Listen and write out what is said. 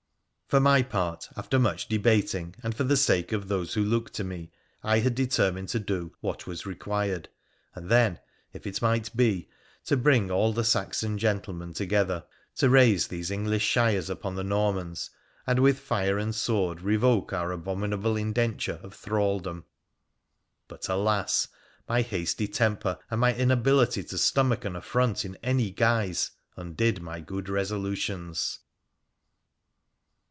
For my part, after much debating, and for the sake of those who looked to me, I had determined to do what was required —• and then, if it might be, to bring all the Saxon gentlemen to gether — to raise these English shires upon the Normans, and with fire and sword revoke our abominable indenture of thral dom. But, alas ! my hasty temper and my inability to stomach an affront in any guise undid my good resolutions.